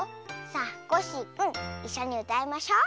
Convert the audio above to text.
さあコッシーくんいっしょにうたいましょ。